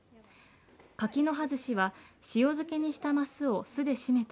柿の葉寿司は塩漬けにしたマスを酢で締めた